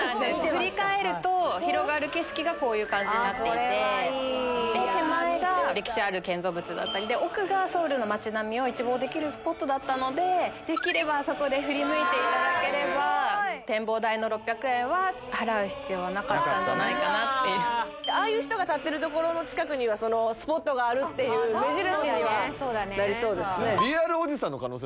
振り返ると広がる景色がこういう感じになっていて手前が歴史ある建造物だったりで奥がソウルの街並みを一望できるスポットだったのでできればあそこで振り向いていただければ展望台の６００円は払う必要はなかったんじゃないかなっていうああいう人が立ってるところの近くにはスポットがあるっていう目印にはなりそうですね